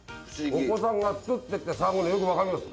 お子さんが作ってって騒ぐのよく分かります。